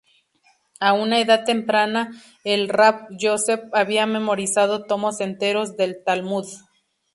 A una edad temprana, el Rab Yosef había memorizado tomos enteros del Talmud.